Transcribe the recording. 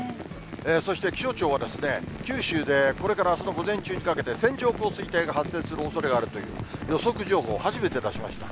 そして、気象庁はですね、九州でこれからあすの午前中にかけて、線状降水帯が発生するおそれがあるという予測情報を初めて出しました。